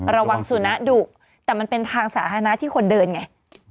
ระวังสุนัขดุแต่มันเป็นทางสาธารณะที่คนเดินไง